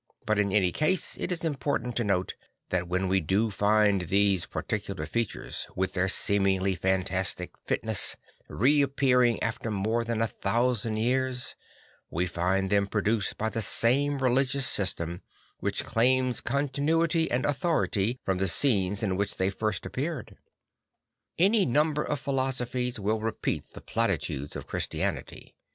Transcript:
But in any case it is important to note that when we do find these particular features, with their seemingly fantastic fitness, reappearing after more than a thousand years, we find them produced by the same religious system \vhich claims continuity and authority from the scenes in which they first appeared. Any number of philosophies will repeat the platitudes of Christianity.